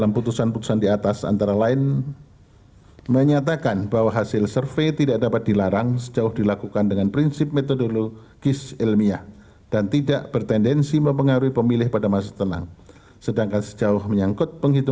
putusan akuo dinyatakan mutatis mundanis berlaku